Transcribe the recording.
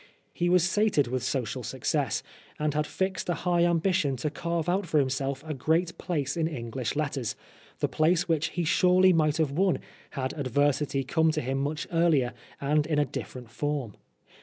He was sated with social success, and had fixed a high ambition to carve out for himself a great place in English letters, the place which he surely might have won had adversity come to him much earlier and in a different form.